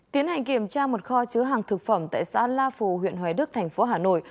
tiến hành kiểm tra một kho chứa hàng thực phẩm tại xã la phù huyện huế đức thành phố hà nội